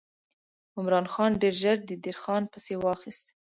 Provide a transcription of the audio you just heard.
عمرا خان ډېر ژر د دیر خان پسې واخیست.